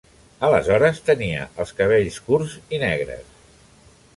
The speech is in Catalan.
Aleshores tenia els cabells curts i negres.